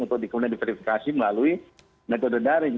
untuk di verifikasi melalui metode dendaring